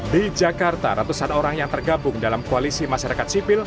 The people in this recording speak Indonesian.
di jakarta ratusan orang yang tergabung dalam koalisi masyarakat sipil